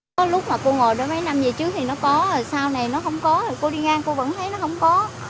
có lúc mà cô ngồi đó mấy năm về trước thì nó có sau này nó không có cô đi ngang cô vẫn thấy nó không có